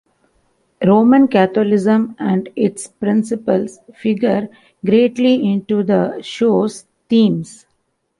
Roman Catholicism and its principles figure greatly into the show's themes.